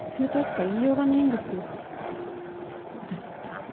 私って。